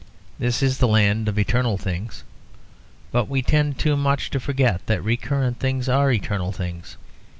This is the land of eternal things; but we tend too much to forget that recurrent things are eternal things.